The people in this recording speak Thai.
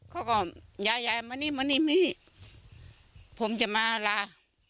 เขาก็ยายมานี่ผมจะมาลา